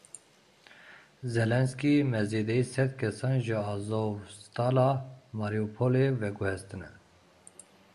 Zelensky, me zêdeyî sed kesan ji Azovstal a Mariupolê veguhestine.